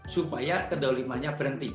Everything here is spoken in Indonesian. supaya kedolimannya berhenti